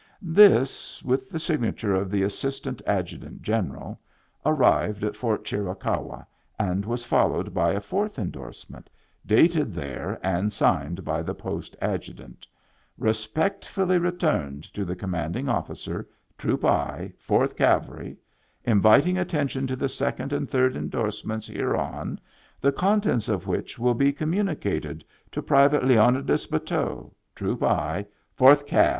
This, with the signature of the Assistant Adjutant General, arrived at Fort Chiricahua, and was followed by a fourth indorsement dated there and signed by the Post Adjutant :" Respectfully returned to the commanding officer, Troop I, 4th Cav'y, inviting attention to the 2d and 3d indorse ments hereon, the contents of which will be com municated to Pvt. Leonidas Bateau, Troop I, 4th Cav.